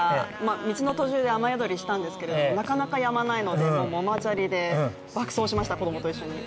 道の途中で雨宿りしたんですけれどもなかなかやまないので、ママチャリで爆走しました、子供と一緒に。